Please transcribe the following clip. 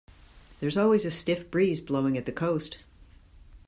There's always a stiff breeze blowing at the coast.